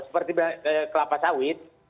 seperti kelapa sawit